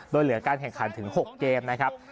โดยเหลือการแข่งขันถึง๖เกมนะครับ